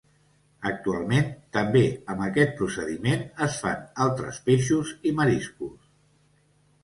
Actualment, també, amb aquest procediment es fan altres peixos i mariscos.